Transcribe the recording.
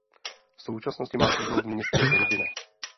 V současnosti má sídlo v městě Irvine.